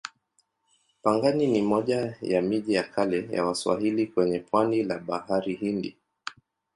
Pangani ni moja ya miji ya kale ya Waswahili kwenye pwani la Bahari Hindi.